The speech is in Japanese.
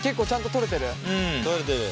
取れてる。